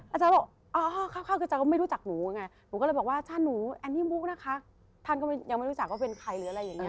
อาจารย์บอกอ๋อข้าวคืออาจารย์ก็ไม่รู้จักหนูไงหนูก็เลยบอกว่าถ้าหนูแอนนี่มุกนะคะท่านก็ยังไม่รู้จักว่าเป็นใครหรืออะไรอย่างนี้